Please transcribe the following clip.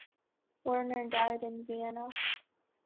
Werner died in Vienna.